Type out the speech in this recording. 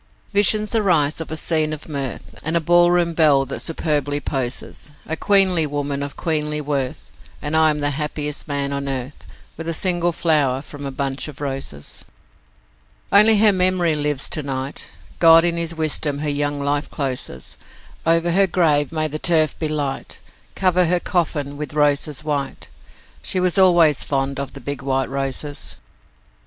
Visions arise of a scene of mirth, And a ball room belle that superbly poses A queenly woman of queenly worth, And I am the happiest man on earth With a single flower from a bunch of roses. Only her memory lives to night God in His wisdom her young life closes; Over her grave may the turf be light, Cover her coffin with roses white She was always fond of the big white roses.